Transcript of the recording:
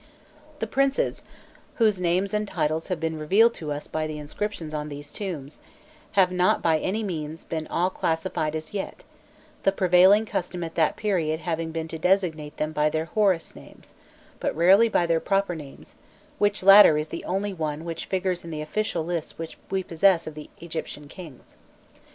The princes, whose names and titles have been revealed to us by the inscriptions on these tombs, have not by any means been all classified as yet, the prevailing custom at that period having been to designate them by their Horus names, but rarely by their proper names, which latter is the only one which figures in the official lists which we possess of the Egyptian kings.